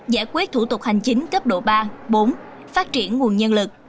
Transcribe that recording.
giải quyết thủ tục hành chính cấp độ ba bốn phát triển nguồn nhân lực